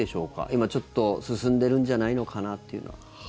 今ちょっと進んでるんじゃないのかなっていうのは。